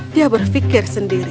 dia berfikir sendiri